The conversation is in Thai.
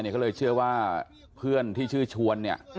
เขาเลยเชื่อว่าเพื่อนที่ชื่อชวนเนี่ย